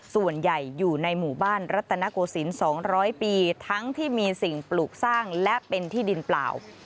ส่วนใหญ่อยู่ในหมู่บ้านรัตนโกศิลป์๒๐๐ปีทั้งที่มีสิ่งปลูกสร้างและเป็นที่ดินเปล่า